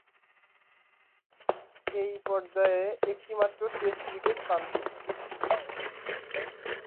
এ পর্যায়ে একটিমাত্র test wicket পান তিনি।